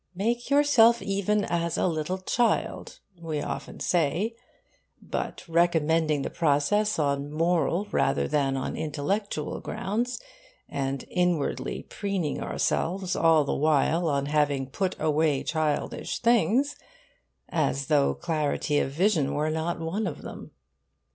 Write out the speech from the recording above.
'Make yourself even as a little child' we often say, but recommending the process on moral rather than on intellectual grounds, and inwardly preening ourselves all the while on having 'put away childish things,' as though clarity of vision were not one of them.